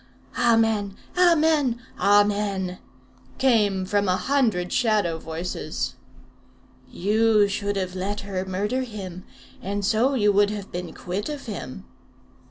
"Amen! Amen! Amen!" came from a hundred shadow voices. "You should have let her murder him, and so you would have been quit of him."